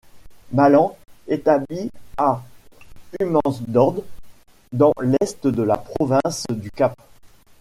Malan, établi à Humansdorp dans l'est de la province du Cap.